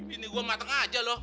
ini gua mateng aja lo